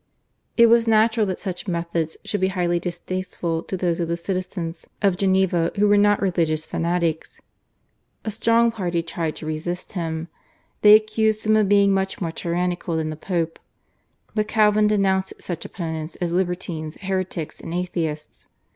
It was natural that such methods should be highly distasteful to those of the citizens of Geneva who were not religious fanatics. A strong party tried to resist him. They accused him of being much more tyrannical than the Pope, but Calvin denounced such opponents as libertines, heretics, and atheists.